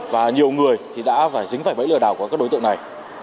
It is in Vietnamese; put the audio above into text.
và nhiều người thì đã phải dính phải bẫy lừa đảo của các đối tượng này